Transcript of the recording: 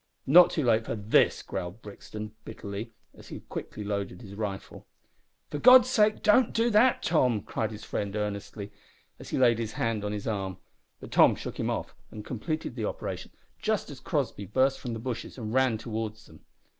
"Not too late for this," growled Brixton, bitterly, as he quickly loaded his rifle. "For God's sake don't do that, Tom," cried his friend earnestly, as he laid his hand on his arm; but Tom shook him off and completed the operation just as Crossby burst from the bushes and ran towards them.